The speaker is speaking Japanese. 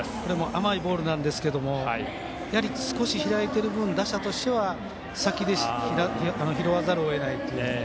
甘いボールなんですけども少し開いてる分、打者としては先で拾わざるをえないという。